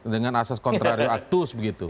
dengan asas kontrario aktus begitu